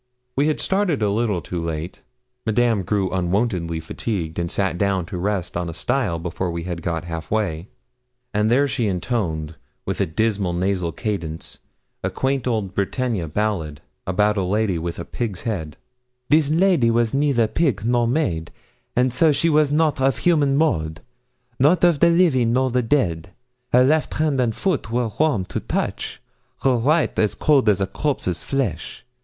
We had started a little too late; Madame grew unwontedly fatigued and sat down to rest on a stile before we had got half way; and there she intoned, with a dismal nasal cadence, a quaint old Bretagne ballad, about a lady with a pig's head: 'This lady was neither pig nor maid, And so she was not of human mould; Not of the living nor the dead. Her left hand and foot were warm to touch; Her right as cold as a corpse's flesh!